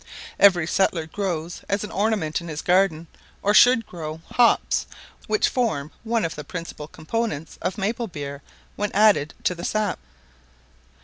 Every settler grows, as an ornament in his garden, or should grow, hops, which form one of the principal components of maple beer when added to the sap.